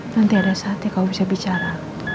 nanti ada saatnya kamu bisa bicara